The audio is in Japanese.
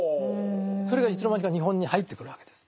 それがいつの間にか日本に入ってくるわけです。